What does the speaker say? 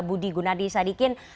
budi gunadi sadikin